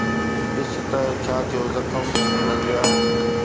ڏس ته ڇا ٿيو زخم، رضيه